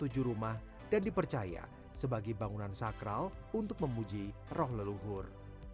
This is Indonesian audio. dia menjadi satu tempat ketujuh rumah yang dipercaya sebagai bangunan sakral untuk memuji roh leluhur